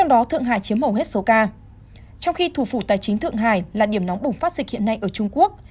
dù phủ tài chính thượng hải là điểm nóng bùng phát dịch hiện nay ở trung quốc